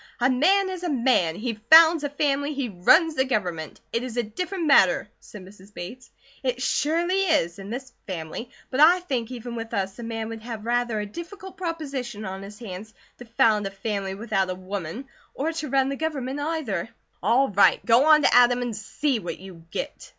"A man is a man! He founds a family, he runs the Government! It is a different matter," said Mrs. Bates. "It surely is; in this family. But I think, even with us, a man would have rather a difficult proposition on his hands to found a family without a woman; or to run the Government either." "All right! Go on to Adam and see what you get."